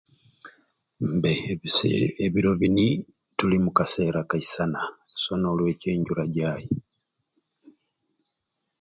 Mbe ebisee ebirobini tuli mu kaseera kaisana so n'olwekyo enjura jaai